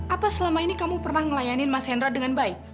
apa selama ini kamu pernah ngelayanin mas hendra dengan baik